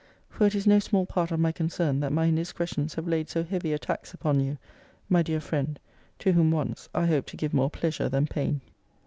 For it is no small part of my concern, that my indiscretions have laid so heavy a tax upon you, my dear friend, to whom, once, I hoped to give more pleasure than pain.